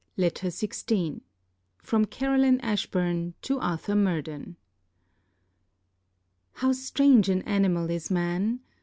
FILMAR LETTER XVI FROM CAROLINE ASHBURN TO ARTHUR MURDEN How strange an animal is man!